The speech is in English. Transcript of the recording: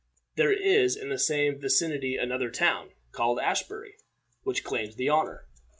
There is in the same vicinity another town, called Ashbury, which claims the honor.